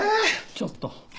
ちょっと！